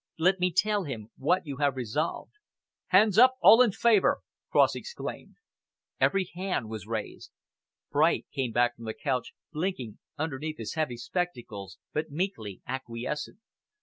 Let me tell him what you have resolved." "Hands up all in favour!" Cross exclaimed. Every hand was raised. Bright came back from the couch, blinking underneath his heavy spectacles but meekly acquiescent.